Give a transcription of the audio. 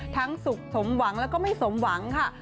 สุขสมหวังแล้วก็ไม่สมหวังค่ะ